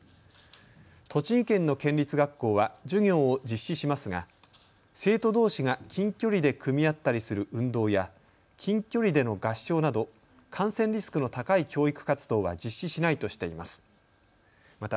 栃木県の県立学校は授業を実施しますが生徒どうしが近距離で組み合ったりする運動や近距離での合唱など、感染リスクの高い教育活動は実施しないとしています。